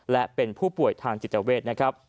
และเป็นผู้ป่วยทางจิตเจาเวท